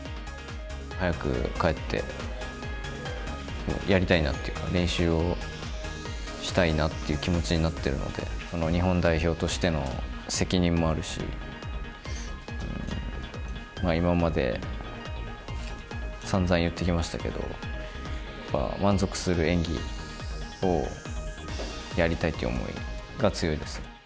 早く帰って、やりたいなっていうか、練習をしたいなっていう気持ちになってるので、日本代表としての責任もあるし、今までさんざん言ってきましたけど、満足する演技をやりたいっていう思いが強いですね。